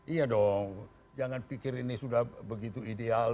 iya dong jangan pikir ini sudah begitu ideal